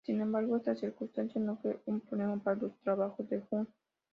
Sin embargo, esta circunstancia no fue un problema para los trabajos de Jung.